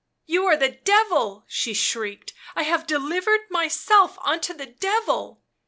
" You are the Devil," she shrieked. I have delivered myself unto the Devil